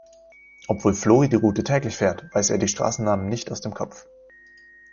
Obwohl Flori die Route täglich fährt, weiß er die Straßennamen nicht aus dem Kopf.